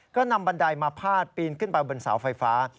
ก็นำบันไดมาพาดปีนขึ้นไปบนเสาไฟฟ้า